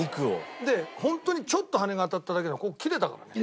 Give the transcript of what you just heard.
でホントにちょっと羽が当たっただけでここ切れたからね。